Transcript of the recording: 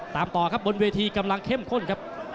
ตามต่อครับบนเวทีกำลังเข้มข้นครับ